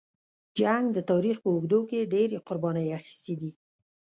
جنګ د تاریخ په اوږدو کې ډېرې قربانۍ اخیستې دي.